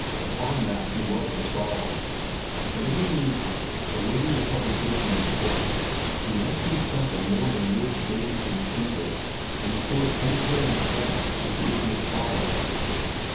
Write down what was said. Upon that he was resolved. But in the meantime, awaiting the publication of the books, he must do something more than live dazed and stupid in the sort of uncaring trance into which he had fallen.